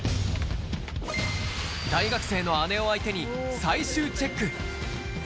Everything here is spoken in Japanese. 大学生の姉を相手に、最終チェック。